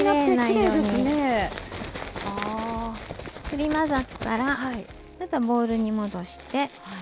振り混ざったらまたボウルに戻して。